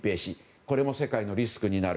これも世界のリスクになる。